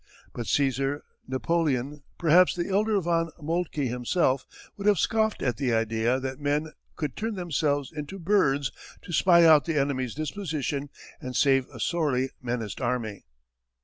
But Cæsar, Napoleon, perhaps the elder von Moltke himself would have scoffed at the idea that men could turn themselves into birds to spy out the enemy's dispositions and save a sorely menaced army.